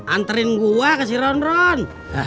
anterin gua ke si ron ron